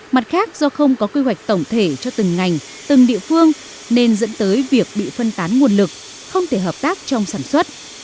mặt khác do không có quy hoạch tổng thể cho từng ngành từng địa phương nên dẫn tới việc bị phân tán nguồn lực không thể hợp tác trong sản xuất